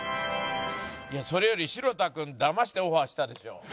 それより城田君だましてオファーしたでしょ。